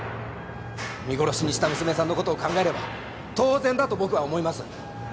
見殺しにした娘さんの事を考えれば当然だと僕は思います。